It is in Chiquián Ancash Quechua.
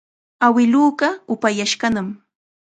Awiluuqa upayashqanam.